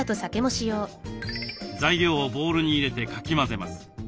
材料をボウルに入れてかき混ぜます。